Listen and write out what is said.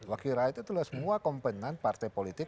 wakil rakyat itu adalah semua komponen partai politik